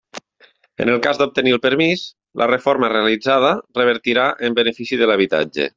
En el cas d'obtenir el permís, la reforma realitzada revertirà en benefici de l'habitatge.